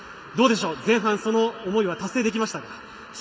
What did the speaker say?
どうでしょう、前半その思いは達成できましたか？